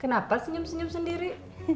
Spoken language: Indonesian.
kenapa senyum senyum sendiri